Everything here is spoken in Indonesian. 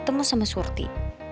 semua sama surti